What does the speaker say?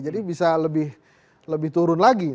jadi bisa lebih turun lagi